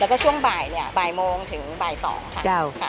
แล้วก็ช่วงบ่ายมองถึงบ่าย๒ค่ะ